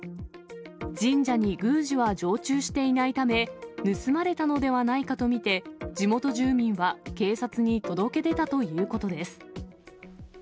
神社に宮司は常駐していないため、盗まれたのではないかと見て、地元住民は警察に届け出たということです。